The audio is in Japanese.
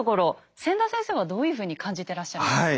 千田先生はどういうふうに感じてらっしゃるんですか？